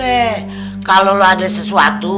eh kenapa sih lu